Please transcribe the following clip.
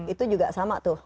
itu juga sama tuh